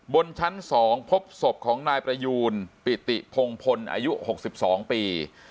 บนชั้น๒พบศพของนายประยูนปิติพงพลอายุ๖๒ปี